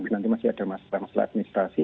nanti masih ada masalah masalah administrasi